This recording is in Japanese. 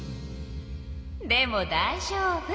でもだいじょうぶ。